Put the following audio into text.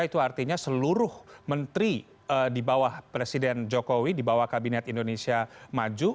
itu artinya seluruh menteri di bawah presiden jokowi di bawah kabinet indonesia maju